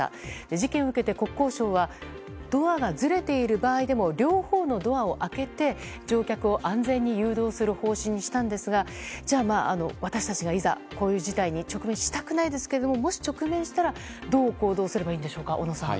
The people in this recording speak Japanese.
事件を受けて国交省はドアがずれている場合でも両方のドアを開けて乗客を安全に誘導する方針にしたんですが私たちがいざ、こういう事態に直面したくないんですがもし直面したらどう行動すればいいんでしょうか小野さん。